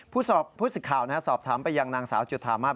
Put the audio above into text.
ผู้สิทธิ์ข่าวสอบถามไปยังนางสาวจุธามาศ